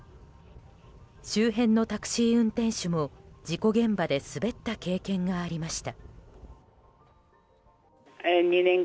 周辺のタクシー運転手も事故現場で滑った経験がありました。